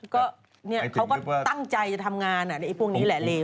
ก็เขาก็ตั้งใจจะทำงานพวกนี้แหละเล